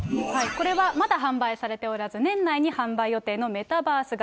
これはまだ販売されておらず、年内に販売予定のメタバース型。